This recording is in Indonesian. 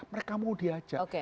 mereka mau diajak